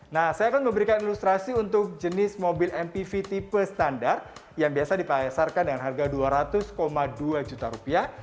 nah saya akan memberikan ilustrasi untuk jenis mobil mpv tipe standar yang biasa dipahasarkan dengan harga dua ratus dua juta rupiah